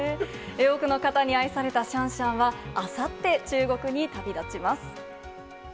多くの方に愛されたシャンシャンは、あさって、中国に旅立ちます。